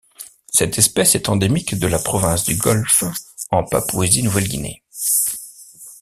Cette espèce est endémique de la province du Golfe en Papouasie-Nouvelle-Guinée.